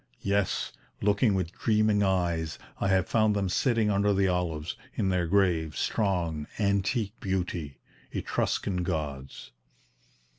Yes, looking with dreaming eyes, I have found them sitting under the olives, in their grave, strong, antique beauty Etruscan gods!"